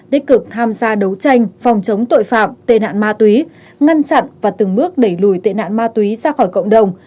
tích cực tham gia đấu tranh phòng chống tội phạm tệ nạn ma túy ngăn chặn và từng bước đẩy lùi tệ nạn ma túy ra khỏi cộng đồng